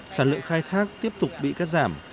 sản lượng khai thác tiếp tục bị cắt giảm